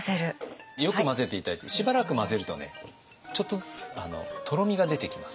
よく混ぜて頂いてしばらく混ぜるとねちょっとずつとろみが出てきます。